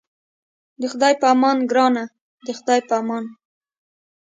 د خدای په امان ګرانه د خدای په امان.